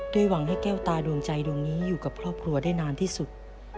หวังให้แก้วตาดวงใจดวงนี้อยู่กับครอบครัวได้นานที่สุด